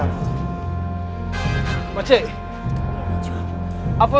sakit kau nanti telinga kau tutup lah